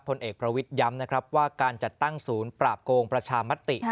ผลเอกประวิทย้ำนะครับว่าการจัดตั้งศูนย์ปราบโกงประชามติ